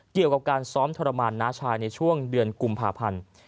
เกี่ยวกับการซ้อมทรมานน้าชายในช่วงเดือนกุมภาพันธ์